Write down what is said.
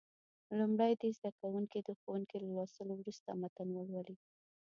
لومړی دې زده کوونکي د ښوونکي له لوستلو وروسته متن ولولي.